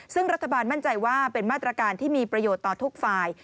ซึ่งรัฐบาลมั่นใจว่าเป็นมาตรการที่มีประโยชน์ต่อทุกฝ่าย